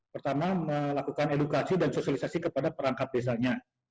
pertama melakukan edukasi dan sosialisasi kepada perangkat desanya